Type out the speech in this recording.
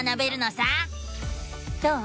どう？